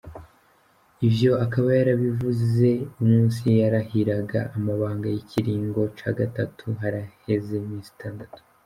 Ivyo akaba yari yanabivuze umunsi yarahiriraga amabanga y’ikiringo ca gatatu, haraheze iminsi itandatu.